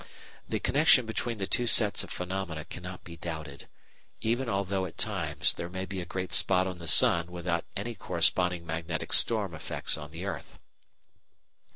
The connection between the two sets of phenomena cannot be doubted, even although at times there may be a great spot on the sun without any corresponding "magnetic storm" effects on the earth.